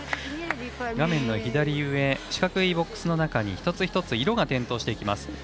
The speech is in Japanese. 画面の左上四角いボックスの中に一つ一つ、色が転倒していきます。